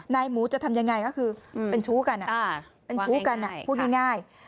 หมูจะทำยังไงก็คือเป็นชู้กันเป็นชู้กันพูดง่าย